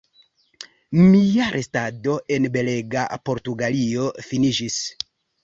Mia restado en belega Portugalio finiĝis.